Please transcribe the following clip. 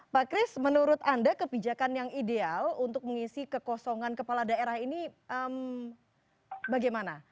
pak kris menurut anda kebijakan yang ideal untuk mengisi kekosongan kepala daerah ini bagaimana